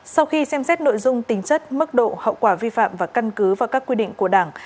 sau khi xem xét nội dung tính chất mức độ hậu quả vi phạm và căn cứ vào các quy định của đảng